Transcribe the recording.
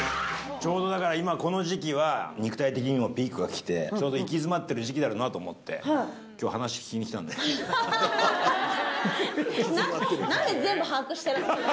ちょうどだから、この時期は肉体的にもピークが来て、ちょうどいきづまってる時期だろうなと思って、きょう、話聞きになんで全部、把握してるの？